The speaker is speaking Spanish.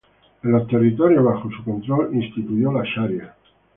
En los territorios bajo su control instituyó la ley Sharia.